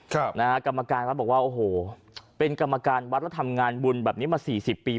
ครับนะฮะกรรมการวัดบอกว่าโอ้โหเป็นกรรมการวัดแล้วทำงานบุญแบบนี้มาสี่สิบปี